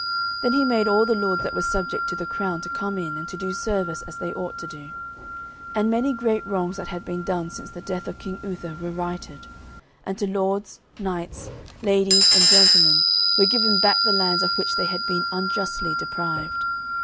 Then he made all the lords that were subject to the crown to come in, and to do service as they ought to do. And many great wrongs that had been done since the death of King Uther were righted, and to lords, knights, ladies, and gentlemen were given back the lands of which they had been unjustly deprived.